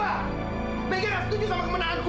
tapi dia nggak setuju sama kemenangan gue